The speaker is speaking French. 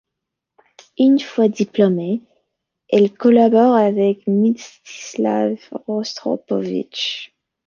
Une fois diplômée, elle collabore avec Mstislav Rostropovitch.